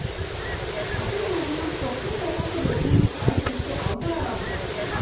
明日になりますと関東北部、天気回復して青空が戻ってきます。